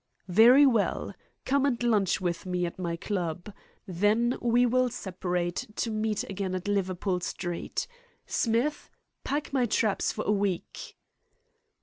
"Very well. Come and lunch with me at my club. Then we will separate, to meet again at Liverpool Street. Smith! Pack my traps for a week."